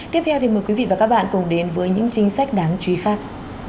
tiếp theo thì mời quý vị và các bạn cùng đến với những chính sách đáng chú ý khác